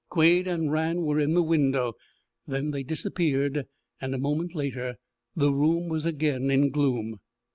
Quade and Rann were in the window. Then they disappeared, and a moment later the room was again in gloom.